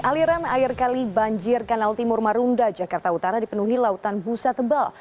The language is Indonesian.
aliran air kali banjir kanal timur marunda jakarta utara dipenuhi lautan busa tebal